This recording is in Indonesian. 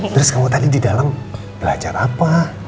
terus kamu tadi di dalam belajar apa